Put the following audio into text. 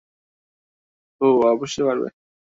হু, অবশ্যই পারবে।